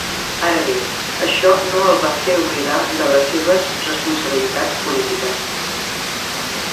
Ara bé, això no el va fer oblidar de les seves responsabilitats polítiques.